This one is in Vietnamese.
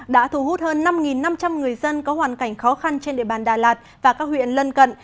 đã thu hút hơn năm năm trăm linh người dân có hoàn cảnh khó khăn trên địa bàn đà lạt và các huyện lân cận